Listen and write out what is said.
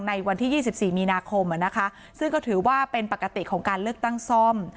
ในวันที่๒๔มีนาคมซึ่งก็ถือว่าเป็นปกติของการเลือกตั้งซ่อม